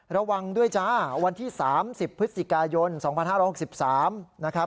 ระวังด้วยจ้าวันที่๓๐พฤศจิกายน๒๕๖๓นะครับ